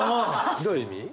どういう意味？